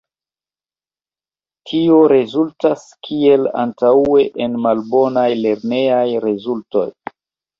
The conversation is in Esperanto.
Tio rezultas kiel antaŭe en malbonaj lernejaj rezultoj.